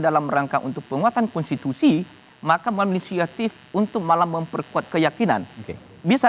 dalam rangka untuk penguatan konstitusi maka menginisiatif untuk malah memperkuat keyakinan bisa